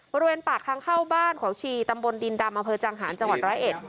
บริเวณปากทางเข้าบ้านของชีตำบลดินดำอเภอจังหารจังหาร๑๐๑